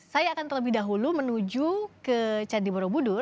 saya akan terlebih dahulu menuju ke candi borobudur